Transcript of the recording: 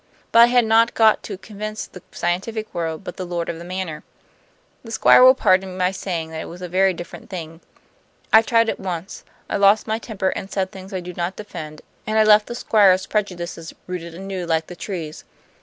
But I had not got to convince the scientific world, but the Lord of the Manor. The Squire will pardon my saying that it was a very different thing. I tried it once; I lost my temper, and said things I do not defend; and I left the Squire's prejudices rooted anew, like the trees.